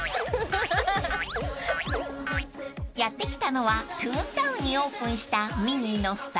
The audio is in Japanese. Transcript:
［やって来たのはトゥーンタウンにオープンした］